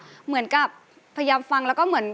แล้วก็เหมือนกับพยายามฟังและก็เหมือน